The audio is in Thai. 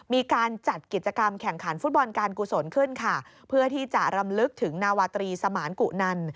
มีการจัดกิจกรรมแข่งขันฟุตบอลการกุศลขึ้นค่ะเพื่อที่จะรำลึกถึงนาวาตรีสมานกุนัน